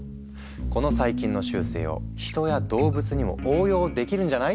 「この細菌の習性を人や動物にも応用できるんじゃない？」